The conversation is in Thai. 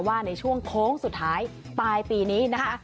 ว่าในช่วงโค้งสุดท้ายปลายปีนี้นะคะ